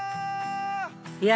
いや